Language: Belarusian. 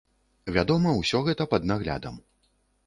Вядома, усё гэта пад наглядам.